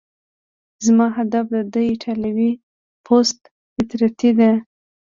زما هدف د ده ایټالوي پست فطرتي ده.